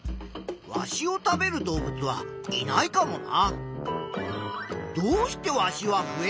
ワシを食べる動物はいないかもな。